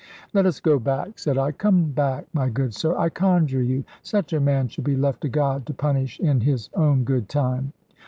"Let us go back," said I; "come back, my good sir, I conjure you. Such a man should be left to God, to punish in His own good time."